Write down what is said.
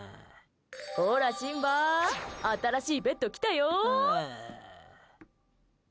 ほらシンバ新しいベッド来たよ！